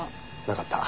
なかった。